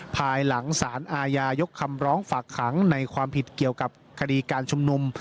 ภายหลังสารอาญายกคำร้องฝากขังในความผิดเกี่ยวกับคดีการชุมนุม